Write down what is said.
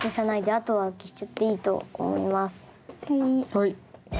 はい。